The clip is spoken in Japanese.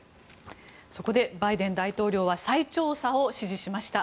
そこでバイデン大統領は再調査を指示しました。